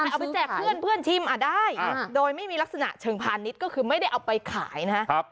แต่เอาไปแจกเพื่อนชิมได้โดยไม่มีลักษณะเชิงพาณิชย์ก็คือไม่ได้เอาไปขายนะครับ